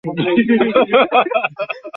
baada ya Mustafa Kemal ambaye baadaye anajulikana